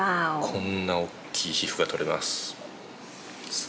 こんな大きい皮膚が取れます。